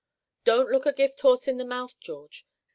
Don't look a gift horse in the mouth, George.